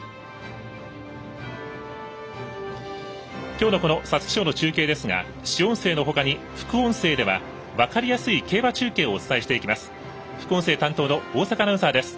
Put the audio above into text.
きょうのこの皐月賞の中継ですが主音声のほかに副音声では分かりやすい競馬中継をお伝えしています。